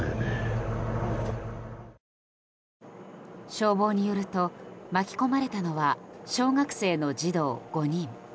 消防によると巻き込まれたのは小学生の児童５人。